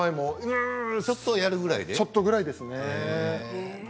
ちょっとぐらいですね。